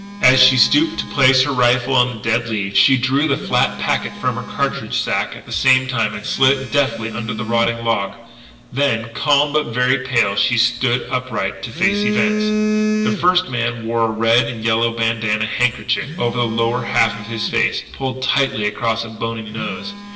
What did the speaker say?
As she stooped to place her rifle on the dead leaves, she drew the flat packet from her cartridge sack at the same time and slid it deftly under a rotting log. Then, calm but very pale, she stood upright to face events. The first man wore a red and yellow bandanna handkerchief over the lower half of his face, pulled tightly across a bony nose.